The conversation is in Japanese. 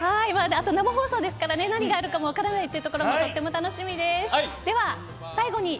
生放送ですから何があるかも分からないというところもとても楽しみです。